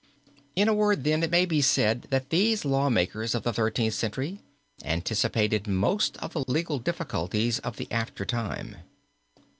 In a word, then, it may be said that these law makers of the Thirteenth Century anticipated most of the legal difficulties of the after time.